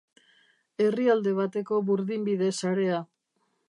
Herrialde bateko burdinbide-sarea.